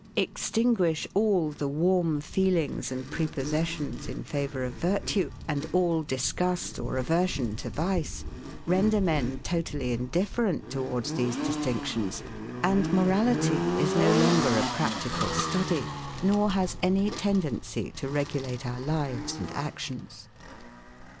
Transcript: Extinguish all the warm feelings and prepossessions in favour of virtue, and all disgust or aversion to vice: render men totally indifferent towards these distinctions; and morality is no longer a practical study, nor has any tendency to regulate our lives and actions.